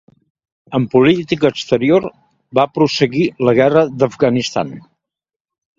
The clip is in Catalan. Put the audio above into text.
En política exterior, va prosseguir la Guerra d'Afganistan.